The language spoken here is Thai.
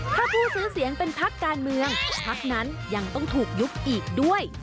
ถ้าผู้ซื้อเสียงเป็นพักการเมืองพักนั้นยังต้องถูกยุบอีกด้วย